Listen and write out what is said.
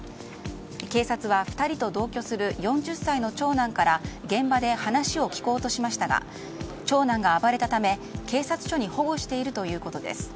警察は２人と同居する４０歳の長男から現場で話を聞こうとしましたが長男が暴れたため警察署に保護しているということです。